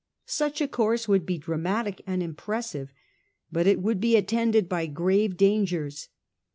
Such a course would be dramatic and impressive, but it would be attended by grave dangers.